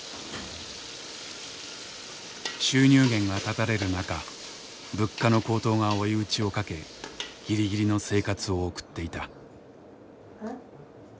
収入源が断たれる中物価の高騰が追い打ちをかけぎりぎりの生活を送っていた。